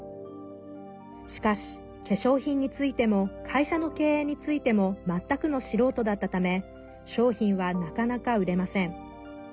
しかし、化粧品についても会社の経営についても全くの素人だったため商品は、なかなか売れません。